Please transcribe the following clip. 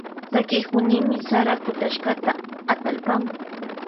Sakikunimi sara kutashkata atallpama.